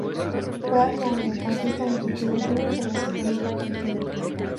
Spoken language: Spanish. Juega como mediocampista en Argentinos Juniors de la Superliga Argentina.